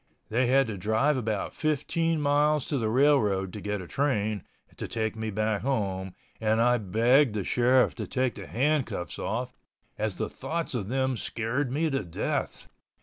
They had to drive about 15 miles to the railroad to get a train to take me back home and I begged the sheriff to take the handcuffs off, as the thoughts of them scared me to death.